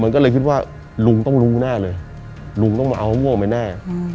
มันก็เลยคิดว่าลุงต้องรู้แน่เลยลุงต้องมาเอาโง่ไปแน่